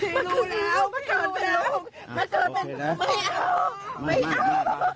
ไม่รู้แล้วไม่รู้แล้วไม่เอาไม่เอา